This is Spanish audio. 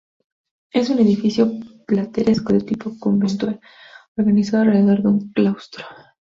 Es un edificio plateresco, de tipo conventual, organizado alrededor de un claustro.